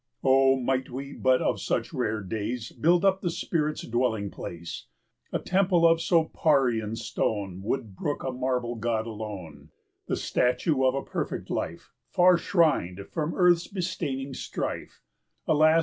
O, might we but of such rare days 85 Build up the spirit's dwelling place! A temple of so Parian stone Would brook a marble god alone, The statue of a perfect life, Far shrined from earth's bestaining strife. 90 Alas!